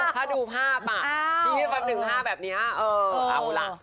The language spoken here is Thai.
ถ้าดูภาพชี้ไปแบบ๑๕แบบนี้เอาล่ะ